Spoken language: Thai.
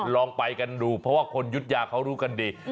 ลองไปกันดูเพราะว่าคนยุธยาเขารู้กันดี